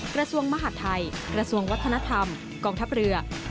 กระทรวงมหาดไทยกระทรวงวัฒนธรรมกองทับเรือกรุงเทพมหานคร